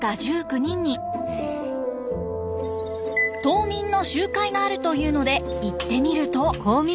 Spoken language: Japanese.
島民の集会があるというので行ってみると。